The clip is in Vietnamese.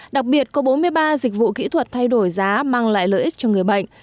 đặc biệt có bốn mươi ba dịch vụ kỹ thuật thay đổi giá mang lại lợi ích cho người bệnh